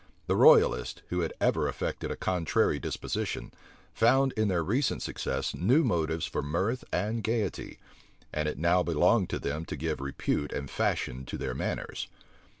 The royalists, who had ever affected a contrary disposition, found in their recent success new motives for mirth and gayety; and it now belonged to them to give repute and fashion to their manners.